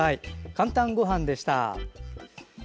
「かんたんごはん」でした。